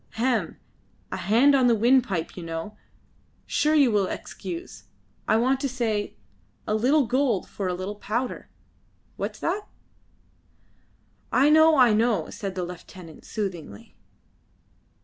"Hem! A hand on the windpipe, you know. Sure you will excuse. I wanted to say a little gold for a little powder. What's that?" "I know, I know," said the lieutenant soothingly.